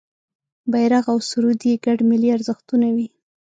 بېرغ او سرود یې ګډ ملي ارزښتونه وي.